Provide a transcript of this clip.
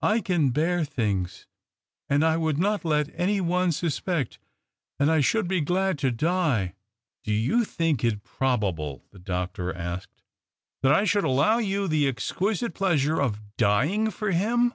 I can bear things, and I would not let any one suspect, and I should be glad to die." " Do you think it probable," the doctor asked, " that I should allow you the exquisite pleasure of dying for him